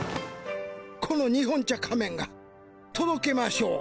この日本茶仮面が「とどけましょう。